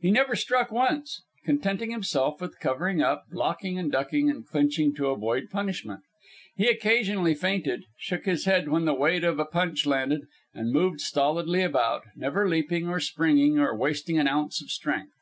He never struck once, contenting himself with covering up, blocking and ducking and clinching to avoid punishment. He occasionally feinted, shook his head when the weight of a punch landed, and moved stolidly about, never leaping or springing or wasting an ounce of strength.